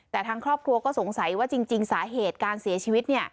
แต่ทางครอบครัวก็สงสัยว่าจริงสาเหตุการเสียชีวิต